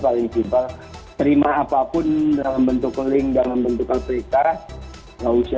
paling simple terima apapun dalam bentuk link dalam bentuk aplikasi